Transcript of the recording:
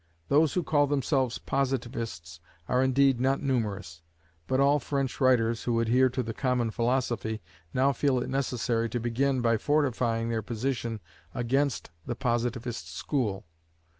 Those who call themselves Positivists are indeed not numerous; but all French writers who adhere to the common philosophy, now feel it necessary to begin by fortifying their position against "the Positivist school."